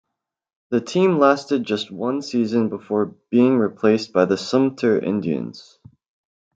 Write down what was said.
The team lasted just one season before being replaced by the Sumter Indians.